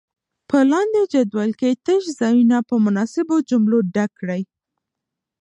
په لاندې جدول کې تش ځایونه په مناسبو جملو ډک کړئ.